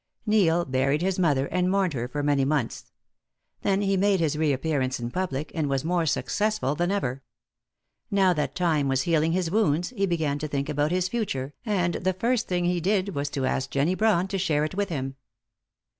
Neil buried his mother and mourned her for many months. Then he made his reappearance in public, and was more successful than ever. Now that time was healing his wounds, he began to think about his future, and the first thing he did was to ask Jennie Brawn to share it with him.